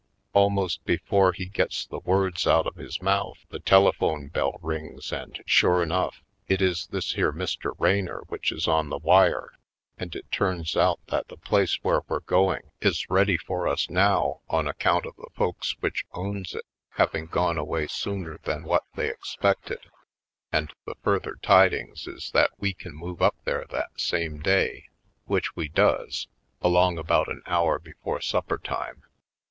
Almost before he gets the words out of his mouth the telephone bell rings and sure enough, it is this here Mr. Raynor which is on the wire, and it turns out that the place where we're going is ready for us 50 /. Poindexter^ Colored now on account of the folks which owns it having gone away sooner than what they expected, and the further tidings is that we can move up there that same day, which we does — along about an hour before supper time.